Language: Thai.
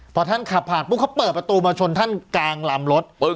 พอท่านขับผ่านปุ๊บเขาเปิดประตูมาชนท่านกลางลำรถ